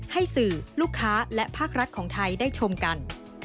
ให้สื่อลูกค้าและภาครัฐของไทยได้ชมกัน